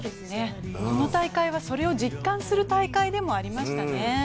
この大会はそれを実感する大会でもありましたね。